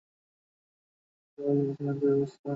বেশির ভাগ সময়ই দেখা যায়, অতিথিরা সবাই একসঙ্গে খেতে বসতে চান।